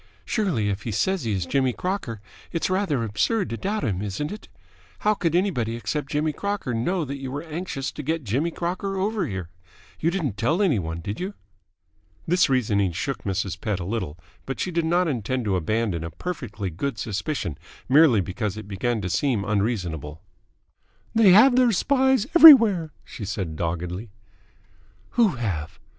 Surely, if he says he is Jimmy Crocker, it's rather absurd to doubt him, isn't it? How could anybody except Jimmy Crocker know that you were anxious to get Jimmy Crocker over here? You didn't tell any one, did you?" This reasoning shook Mrs. Pett a little, but she did not intend to abandon a perfectly good suspicion merely because it began to seem unreasonable. "They have their spies everywhere," she said doggedly. "Who have?"